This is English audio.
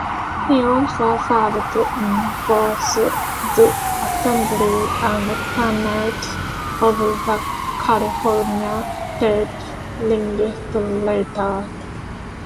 He also served in both the Assembly and Senate of the California State Legislature.